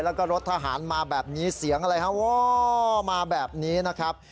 แล้วก็รถทหารมาแบบนี้เสียงอะไรฮะว่อมาแบบนี้นะครับ